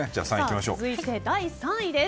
続いて第３位です。